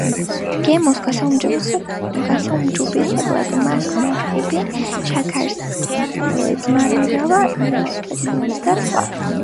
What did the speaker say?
გემოს გასაუმჯობესებლად მას უმატებენ შაქარს, ძმარმჟავა ნატრიუმს და სხვა.